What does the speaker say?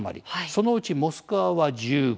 そのうちモスクワは１５人。